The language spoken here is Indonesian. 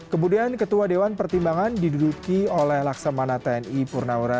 kemudian ketua dewan pertimbangan diduduki oleh laksamana tni purnawira